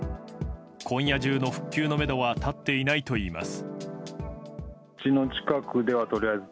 今夜中の復旧のめどは立っていないといいます。